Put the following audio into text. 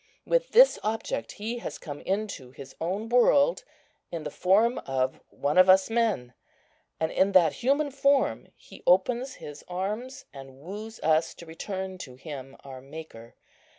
With this object He has come into His own world, in the form of one of us men. And in that human form He opens His arms and woos us to return to Him, our Maker.